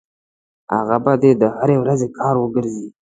هغه به دې د هرې ورځې کار وګرځي.